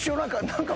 何か。